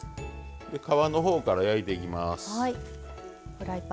皮の方から焼いていきます。